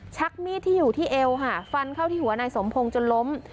ชักมีดที่อยู่ที่เอวค่ะฟันเข้าที่หัวนายสมพงศ์จนล้ม